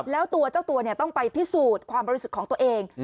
แล้วตัวเจ้าตัวต้องไปพิสูจน์ความบริสุทธิ์ของตัวเอง